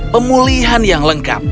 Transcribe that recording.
pemulihan yang lengkap